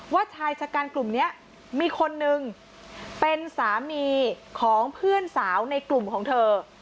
ชายชะกันกลุ่มนี้มีคนนึงเป็นสามีของเพื่อนสาวในกลุ่มของเธอ